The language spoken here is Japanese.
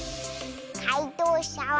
かいとうしゃは。